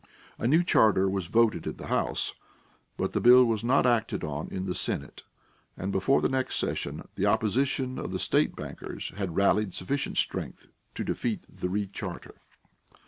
A new charter was voted in the House, but the bill was not acted on in the Senate, and before the next session the opposition of the state bankers had rallied sufficient strength to defeat the recharter.